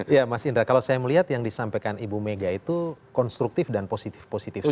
ya mas indra kalau saya melihat yang disampaikan ibu mega itu konstruktif dan positif positif saja